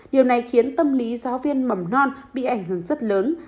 điều này khiến tâm lý giáo viên mầm non bị ảnh hưởng rất lớn